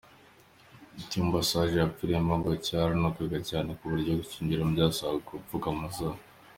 Icyumba Sage yapfiriyemo ngo cyaranukaga cyane kuburyo kucyinjiramo byasabaga gupfuka amazuru.